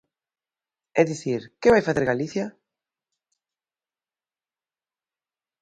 É dicir, ¿que vai facer Galicia?